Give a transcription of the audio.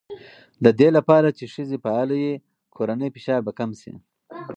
د دې لپاره چې ښځې فعاله وي، کورنی فشار به کم شي.